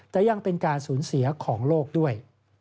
แต่ยังเป็นการสูญเสียของโลกด้วย